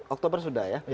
oktober sudah ya